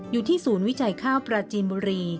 อยู่ที่ศูนย์วิจัยข้าวปราจีนบุรี